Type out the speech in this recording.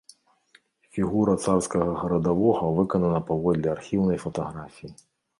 Фігура царскага гарадавога выканана паводле архіўнай фатаграфіі.